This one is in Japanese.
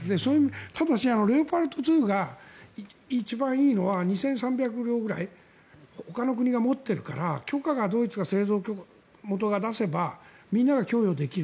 ただしレオパルト２が一番いいのは２３００両ぐらいほかの国が持っているから製造元のドイツが許可を出せばみんなが供与できる。